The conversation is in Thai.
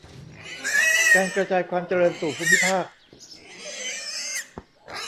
การกระจายความเจริญสู่ภูมิภาค